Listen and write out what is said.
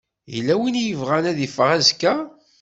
Yella win i yebɣan ad iffeɣ azekka?